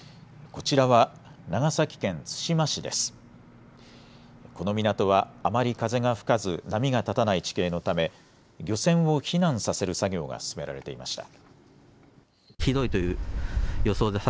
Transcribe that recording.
この港はあまり風が吹かず波が立たない地形のため漁船を避難させる作業が進められていました。